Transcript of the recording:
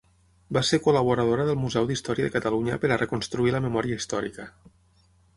Va ser col·laboradora del Museu d'Història de Catalunya per a reconstruir la memòria històrica.